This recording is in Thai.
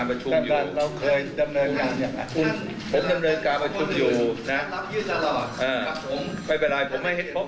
อ้าวผมไม่ให้ไปยื่นกับเหลขา